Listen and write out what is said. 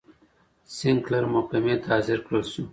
سینکلر محکمې ته حاضر کړل شو.